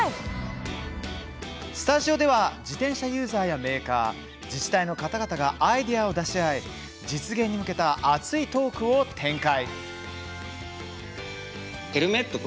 スタジオでは自転車ユーザーやメーカー自治体の方々がアイデアを出し合い実現に向けた熱いトークを展開。